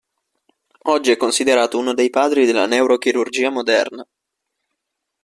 Oggi è considerato uno dei padri della Neurochirurgia Moderna.